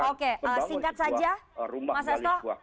oke singkat saja mas asto